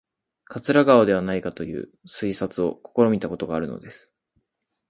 桂川ではないかという推察を試みたことがあるのです